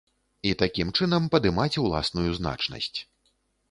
І такім чынам падымаць уласную значнасць.